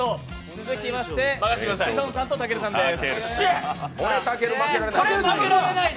続きまして志尊さんとたけるさんです。